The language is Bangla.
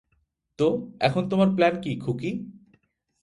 তো, এখন তোমার প্ল্যান কী, খুকী?